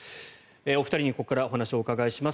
お二人に、ここからお話をお伺いします。